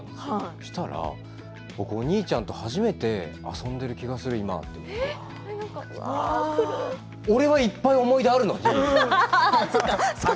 そしたら、僕お兄ちゃんと初めて遊んでる気がするって俺はいっぱい思い出があるのに。